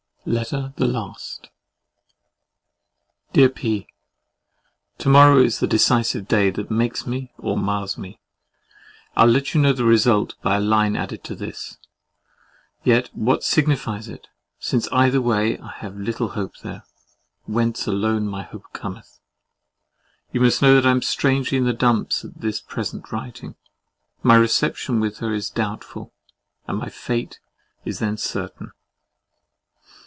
LETTER THE LAST Dear P——, To morrow is the decisive day that makes me or mars me. I will let you know the result by a line added to this. Yet what signifies it, since either way I have little hope there, "whence alone my hope cometh!" You must know I am strangely in the dumps at this present writing. My reception with her is doubtful, and my fate is then certain.